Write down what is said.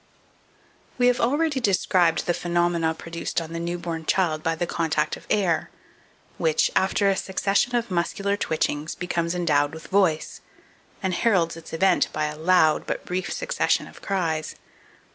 2460. We have already described the phenomena produced on the new born child by the contact of air, which, after a succession of muscular twitchings, becomes endowed with voice, and heralds its advent by a loud but brief succession of cries.